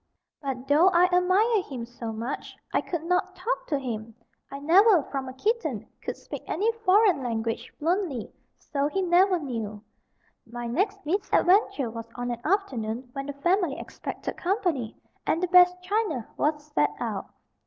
But though I admired him so much, I could not talk to him. I never, from a kitten, could speak any foreign language fluently. So he never knew. My next misadventure was on an afternoon when the family expected company, and the best china was set out.